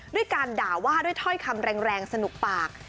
ด้วยการด่าว่าด้วยถ้อยคำแรงสนุกปาก